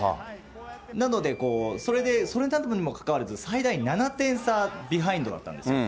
なので、それにもかかわらず、最大７点差ビハインドだったんですよ。